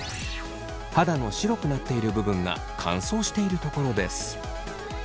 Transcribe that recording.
肌の白くなっている部分が乾燥している所です。